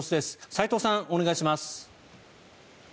齋藤さん、お願いします。